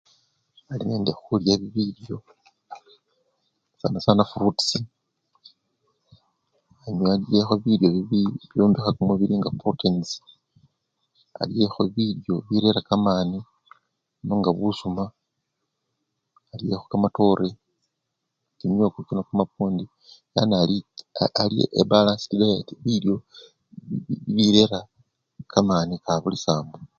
Bali nende khulya bilyo sana-sana frutusi namwe balyekho bilyo bibyombekha kumubili nga proteyins, balyekho bilyo bibirera kamani nga busuma, balyekho kamatore, kimyoko kino kamapwondi yanii alye balansid dayate bilyo bibirera kamani kabulisambo.